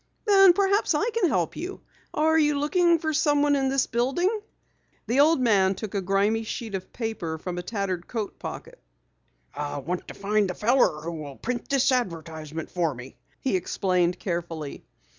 "Then perhaps I can help you. Are you looking for someone in this building?" The old man took a grimy sheet of paper from a tattered coat pocket. "I want to find the feller who will print this advertisement for me," he explained carefully.